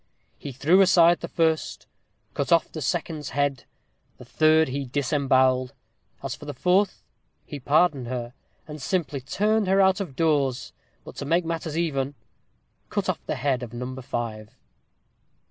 He threw aside the first, cut off the second's head, the third he disemboweled: as for the fourth, he pardoned her, and simply turned her out of doors, but to make matters even, cut off the head of number five.